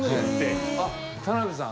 田辺さん